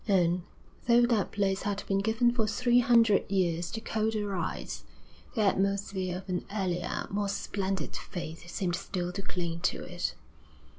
And, though that place had been given for three hundred years to colder rites, the atmosphere of an earlier, more splendid faith seemed still to cling to it.